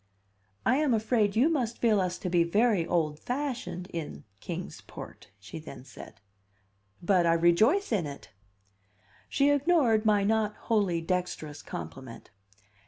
"I am afraid you must feel us to be very old fashioned in, Kings Port," she then said. "But I rejoice in it!" She ignored my not wholly dexterous compliment.